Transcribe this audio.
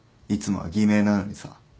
いつもは偽名なのにさ。